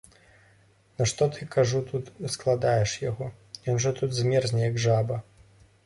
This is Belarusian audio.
На што ты, кажу, тут складаеш яго, ён жа тут змерзне, як жаба.